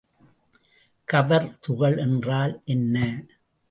கவர்துகள் என்றால் என்ன?